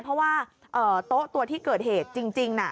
เพราะว่าโต๊ะตัวที่เกิดเหตุจริงน่ะ